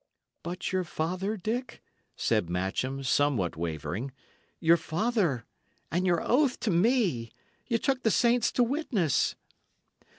"But your father, Dick?" said Matcham, somewhat wavering. "Your father? and your oath to me? Ye took the saints to witness."